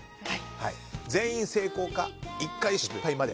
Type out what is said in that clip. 全員成功か１回失敗まで。